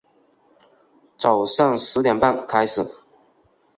早上十点半开始